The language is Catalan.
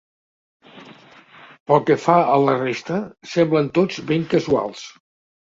Pel que fa a la resta, semblen tots ben casuals.